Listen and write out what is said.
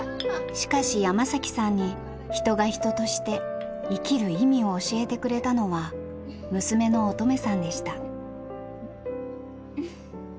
しかし山さんに人が人として生きる意味を教えてくれたのは娘の音十愛さんでした。